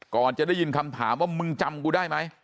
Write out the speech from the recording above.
ก่อนจะได้ยินคำถามว่ามึงจำกูได้ไหม